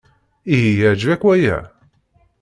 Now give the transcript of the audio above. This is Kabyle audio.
Ihi yeɛjeb-ak waya?